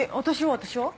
私は？